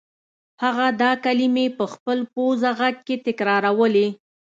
هغه دا کلمې په خپل پوزه غږ کې تکرارولې